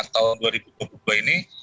tahun dua ribu dua puluh dua ini